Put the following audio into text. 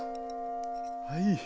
はい。